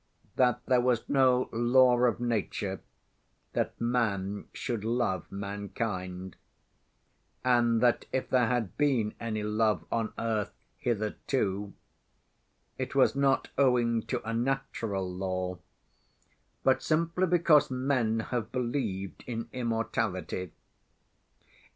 That there was no law of nature that man should love mankind, and that, if there had been any love on earth hitherto, it was not owing to a natural law, but simply because men have believed in immortality.